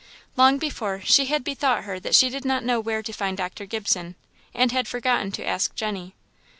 Long before, she had bethought her that she did not know where to find Dr. Gibson, and had forgotten to ask Jenny.